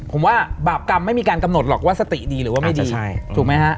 ผมว่าบาปกรรมไม่มีการกำหนดหรอกว่าสติดีหรือว่าไม่ดีถูกไหมฮะ